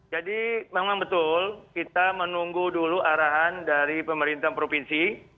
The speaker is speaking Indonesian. memang betul kita menunggu dulu arahan dari pemerintah provinsi